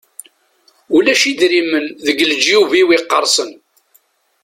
Ulac idrimen deg leǧyub-iw iqersen.